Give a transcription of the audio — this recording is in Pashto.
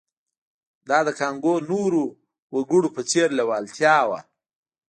دا د کانګو د نورو وګړو په څېر لېوالتیا وه